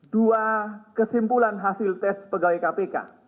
dua kesimpulan hasil tes pegawai kpk